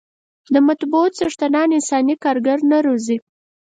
د مطبعو څښتنان افغاني کارګر نه روزي.